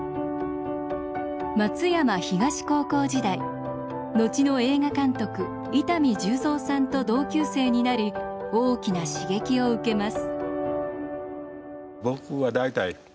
松山東高校時代後の映画監督伊丹十三さんと同級生になり大きな刺激を受けます。